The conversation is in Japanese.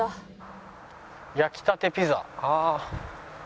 「焼きたてピザ」ああ。